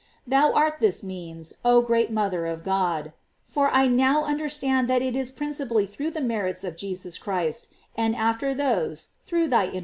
Thou art this means, oh great mother of God, for I now understand that it is principally through the merits of Jesus Christ, and after those, through thyjnt.